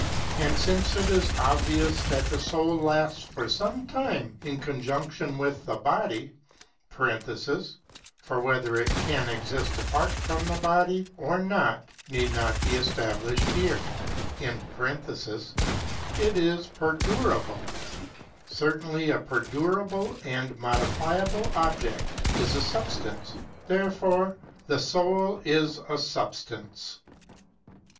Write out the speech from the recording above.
and sipce it is obvious that the soul lasts for some time in conjunction with the body (for whether it can exist apart from the body or not need not be established here) it is per durable (§ 766, Ontol). Certainly a per durable and modifiable object is a substance. Therefore the soul is a substance.